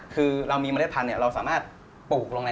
คือเรามีเมล็ดพันธุ์เราสามารถปลูกลงใน